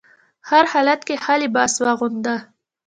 هر حالت کې ښه لباس واغونده.